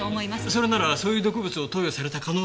それならそういう毒物を投与された可能性が。